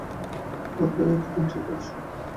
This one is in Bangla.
নাহ, ভায়া, তুমি ঠিক আছো।